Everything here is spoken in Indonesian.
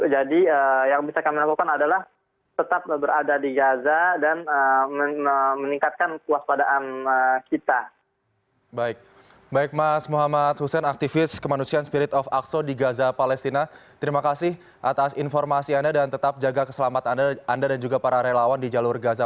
yang bisa kami lakukan adalah tetap berada di gaza dan meningkatkan kewaspadaan kita